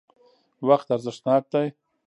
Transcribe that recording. وقت ارزښتناک دی.